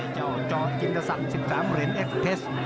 เจ้าจอจินตสัตว์๑๓เหรียญแอฟเทศ